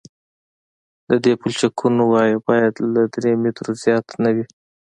د دې پلچکونو وایه باید له درې مترو زیاته نه وي